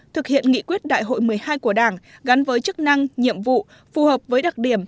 thực hiện nghị quyết đại hội một mươi hai của đảng gắn với chức năng nhiệm vụ phù hợp với đặc điểm